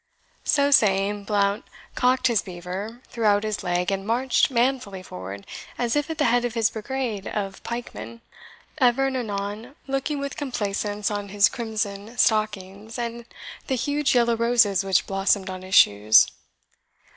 So saying, Blount cocked his beaver, threw out his leg, and marched manfully forward, as if at the head of his brigade of pikemen, ever and anon looking with complaisance on his crimson stockings, and the huge yellow roses which blossomed on his shoes.